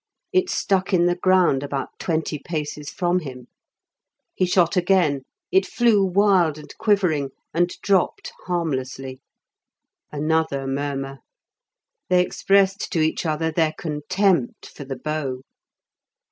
It stuck in the ground about twenty paces from him. He shot again; it flew wild and quivering, and dropped harmlessly. Another murmur; they expressed to each other their contempt for the bow.